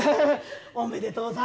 おめでとうさん。